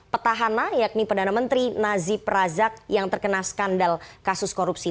petahana yakni perdana menteri nazib razak yang terkena skandal kasus korupsi